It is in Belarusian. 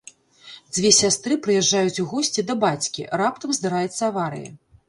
Дзве сястры прыязджаюць у госці да бацькі, раптам здараецца аварыя.